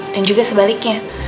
dan juga sebaliknya